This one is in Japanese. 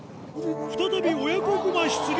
再び親子熊出現。